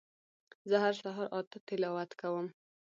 زه هر سهار اته تلاوت کوم